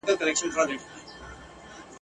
نه په خوله کي یې لرل تېره غاښونه ..